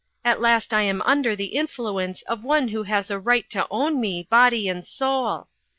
At last I am under the influence of One who has a right to own me, body and soul.